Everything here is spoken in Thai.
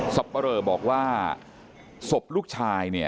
สัพปะเล่อบอกว่าสบลูกชายเนี่ย